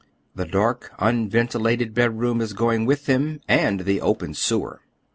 The dark, nnventilated bed room is going with them, and the open sewer.